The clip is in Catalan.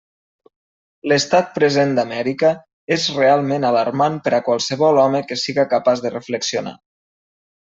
L'estat present d'Amèrica és realment alarmant per a qualsevol home que siga capaç de reflexionar.